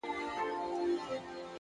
څه عجيب شاني مثال د چا د ياد!!